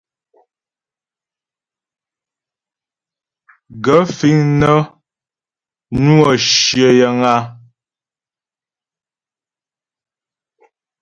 Gaə̂ fíŋ nə́ nwə́ shyə yəŋ a ?